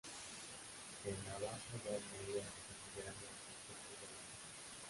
En la Baja Edad Media se consideran nuevos aspectos de la noción.